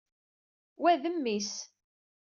Wa, d mmi-s.